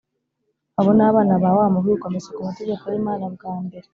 abo ni abana ba wa mubi wigometse ku mategeko y’imana bwa mbere